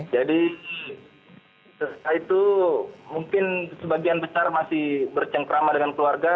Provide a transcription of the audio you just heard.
jadi setelah itu mungkin sebagian besar masih bercengkrama dengan keluarga